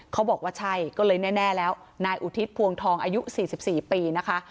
เขาบอกว่าใช่ก็เลยแน่แล้วนายอุทิศพวงทองอายุ๔๔ปีนะคะ